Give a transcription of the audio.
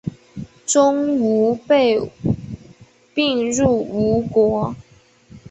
钟吾被并入吴国。